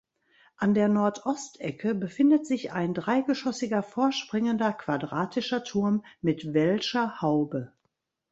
An der Nordostecke befindet sich ein dreigeschossiger vorspringender quadratischer Turm mit welscher Haube.